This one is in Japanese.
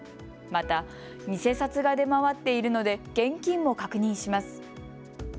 また偽札が出回っているので現金も確認します。